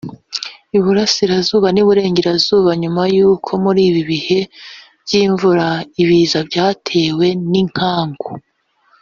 Uburasirazuba n’uburengerazuba nyuma y’uko muri ibi bihe by’imvura ibiza byatewe n’inkangu